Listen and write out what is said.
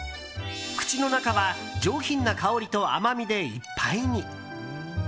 口の中は上品な香りと甘みでいっぱいに。